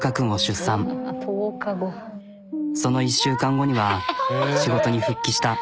その１週間後には仕事に復帰した。